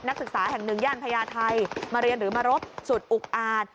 นักศึกษาแห่งหนึ่งย่านพญาไทยมาเรียนหรือมารบสุดอุกอาจ